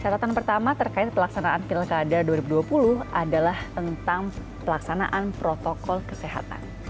catatan pertama terkait pelaksanaan pilkada dua ribu dua puluh adalah tentang pelaksanaan protokol kesehatan